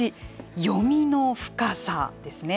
読みの深さですね。